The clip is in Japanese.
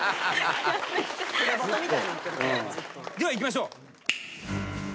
ではいきましょう。